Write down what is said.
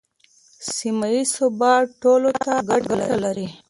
سیمه ییز ثبات ټولو ته ګټه لري.